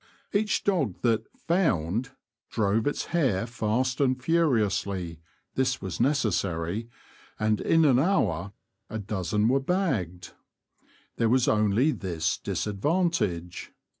Each dog that ''found" drove its hare fast and furiously (this was necessary), and, in an hour, a dozen were bagged. There was only this disadvantage.